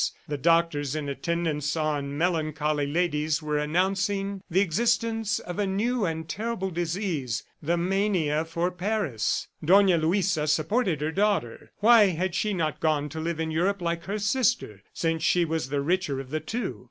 The doctors in attendance on melancholy ladies were announcing the existence of a new and terrible disease, "the mania for Paris." Dona Luisa supported her daughter. Why had she not gone to live in Europe like her sister, since she was the richer of the two?